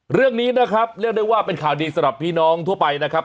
เรื่องนี้นะครับเรียกได้ว่าเป็นข่าวดีสำหรับพี่น้องทั่วไปนะครับ